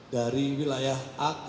dari wilayah akar